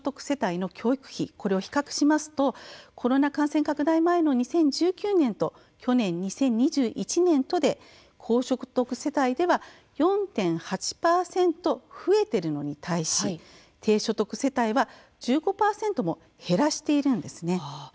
世帯の教育費を比較しますとコロナ拡大前の２０１９年と去年２０２１年とで高所得世帯では４．８％増えているのに対し低所得世帯は１５％も減らしているんですね。